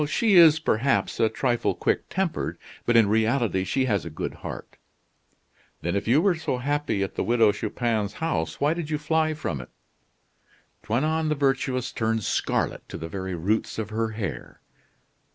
"She is, perhaps, a trifle quick tempered; but in reality she has a good heart." "Then, if you were so happy at the Widow Chupin's house, why did you fly from it?" Toinon the Virtuous turned scarlet to the very roots of her hair.